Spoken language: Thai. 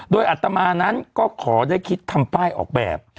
โดยอัตมานั้นก็ขอได้คิดทำป้ายออกแบบ